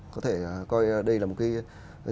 có thể coi đây là một cái